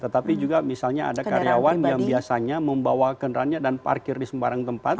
tetapi juga misalnya ada karyawan yang biasanya membawa kendaraannya dan parkir di sembarang tempat